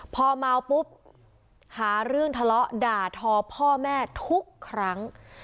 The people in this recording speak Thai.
พอเมาปุ๊บหาเรื่องทะเลาะด่าทอพ่อแม่ทุกครั้ง